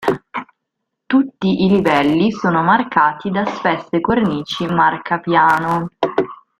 Tutti i livelli sono marcati da spesse cornici marcapiano.